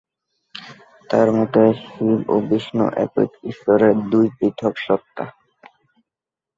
তার মতে, শিব ও বিষ্ণু একই ঈশ্বরের দুই পৃথক সত্ত্বা।